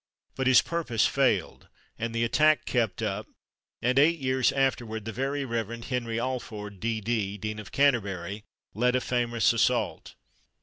But his purpose failed and the attack kept up, and eight years afterward the Very Rev. Henry Alford, D.D., dean of Canterbury, led a famous assault.